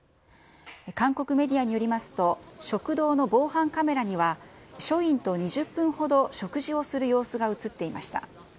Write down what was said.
韓国メディアによりますと、食堂の防犯カメラには、署員と２０分ほど食事をする様子が写っていました。